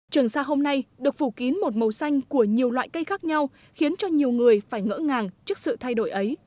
trường xa hôm nay được phủ kín một màu xanh của nhiều loại cây khác nhau khiến cho nhiều người phải ngỡ ngàng trước sự thay đổi ấy